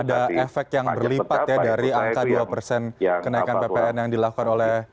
ada efek yang berlipat ya dari angka dua persen kenaikan ppn yang dilakukan oleh